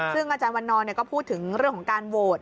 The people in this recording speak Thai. ซึ่งอาจารย์วันนอนก็พูดถึงเรื่องของการโหวต